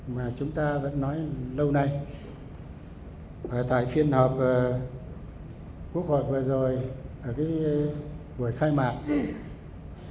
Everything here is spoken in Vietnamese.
mà chúng ta vẫn nói lâu nay tại phiên họp quốc hội vừa rồi ở cái buổi khai mạc